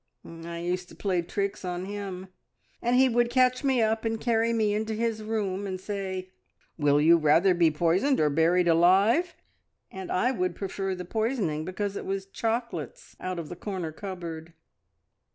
I used to play tricks on him, and he would catch me up and carry me into his room, and say, `Will you rather be poisoned, or buried alive?' and I would prefer the poisoning because it was chocolates out of the corner cupboard.